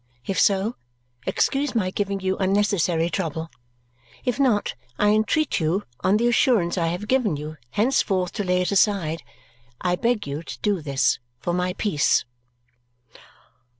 If so, excuse my giving you unnecessary trouble. If not, I entreat you, on the assurance I have given you, henceforth to lay it aside. I beg you to do this, for my peace."